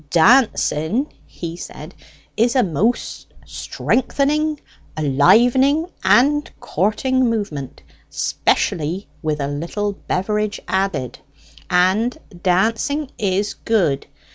"Dancing," he said, "is a most strengthening, livening, and courting movement, 'specially with a little beverage added! And dancing is good.